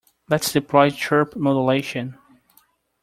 Let's deploy chirp modulation.